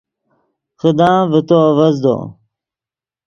خدان ڤے تو آڤزدو